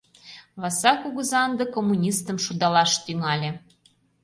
Васа кугыза ынде коммунистым шудалаш тӱҥале.